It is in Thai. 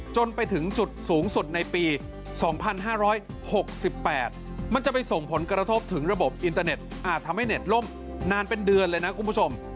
จนไปถึงจุดสูงสุดในปี๒๕๖๘มันจะไปส่งผลกระทบถึงระบบอินเตอร์เน็ตอาจทำให้เน็ตล่มนานเป็นเดือนเลยนะคุณผู้ชม